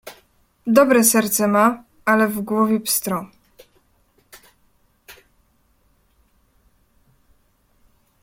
"Dobre serce ma, ale w głowie pstro..."